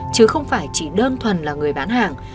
chứ không phải chỉ đơn thuần là người bán hàng